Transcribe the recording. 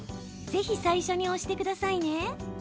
ぜひ最初に押してくださいね。